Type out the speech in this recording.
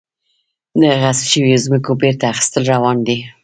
د غصب شویو ځمکو بیرته اخیستل روان دي؟